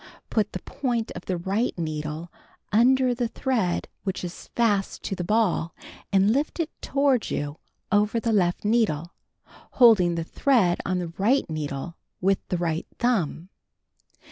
Put the point of the right needle under the thread which is fast to the ball, and lift it toward you over the left needle, holding the thread on the right needle with the right thumb.